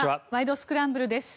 スクランブル」です。